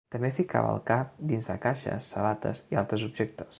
També ficava el cap dins de caixes, sabates i altres objectes.